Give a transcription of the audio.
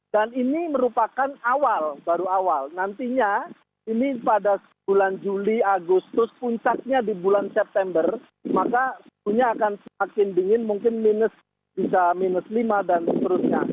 dan ini merupakan awal baru awal nantinya ini pada bulan juli agustus puncaknya di bulan september maka suhunya akan semakin dingin mungkin minus bisa minus lima dan seterusnya